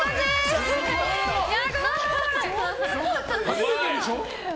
初めてでしょ？